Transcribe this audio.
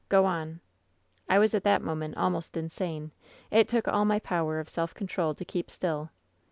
*Gro on/ I was at that moment almost insane. It took all my power of self control to keep still.